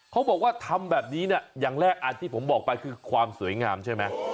เขาบอกว่าทำแบบนี้เนี่ยอย่างแรกที่ผมบอกไปคือความสวยงามใช่ไหม